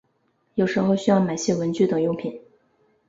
有时候需要买些文具等用品